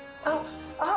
あっ！